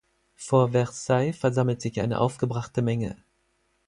Vor Versailles versammelt sich eine aufgebrachte Menge.